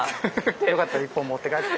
よかったら一本持って帰って。